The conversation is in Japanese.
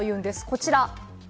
こちら。